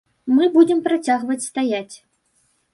Мы будзем працягваць стаяць.